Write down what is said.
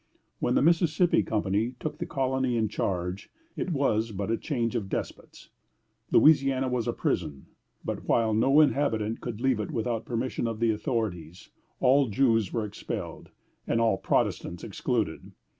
When the Mississippi Company took the colony in charge, it was but a change of despots. Louisiana was a prison. But while no inhabitant could leave it without permission of the authorities, all Jews were expelled, and all Protestants excluded.